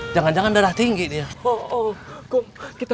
jangan jangan darah tinggi nih